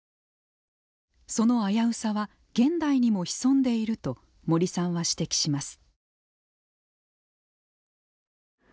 その危うさは現代にも潜んでいると森さんは指摘します。